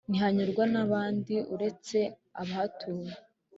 Ntihanyurwa n'abandi uretse abahatuye